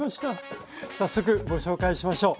早速ご紹介しましょう。